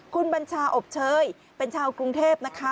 คุณบัญชาอบเชยเป็นชาวกรุงเทพนะคะ